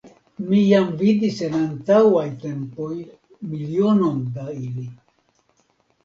Mi jam vidis en antaŭaj tempoj milionon da ili .